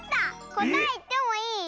こたえいってもいい？